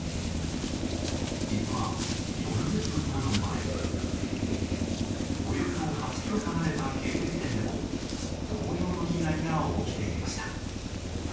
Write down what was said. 実は４０分ほど前およそ８ｋｍ離れた系列店でも同様の被害が起きていました。